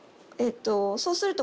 そうすると。